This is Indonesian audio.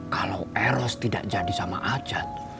kalau eros tidak jadi sama ajat